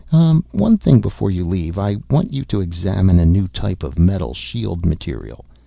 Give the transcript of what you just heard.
"One thing before you leave. I want you to examine a new type of metal shield material.